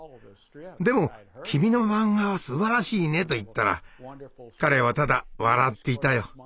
でも「君のマンガはすばらしいね」と言ったら彼はただ笑っていたよ。